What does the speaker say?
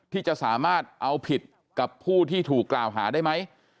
ที่จะสามารถเอาผิดกับผู้ที่ถูกกล่าวหาได้ไหม